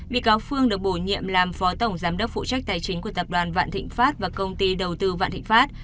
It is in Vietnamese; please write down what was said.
bị cáo phương được bổ nhiệm làm phó tổng giám đốc phụ trách tài chính của tập đoàn vạn thịnh pháp và công ty đầu tư vạn thịnh pháp